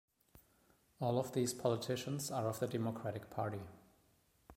All of these politicians are of the Democratic Party.